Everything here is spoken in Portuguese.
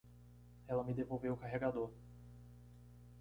Ela me devolveu o carregador.